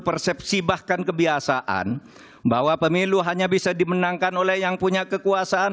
persepsi bahkan kebiasaan bahwa pemilu hanya bisa dimenangkan oleh yang punya kekuasaan